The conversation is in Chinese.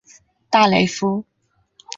大雷夫。